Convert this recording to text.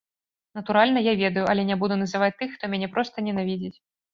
Натуральна, я ведаю, але не буду называць тых, хто мяне проста ненавідзіць.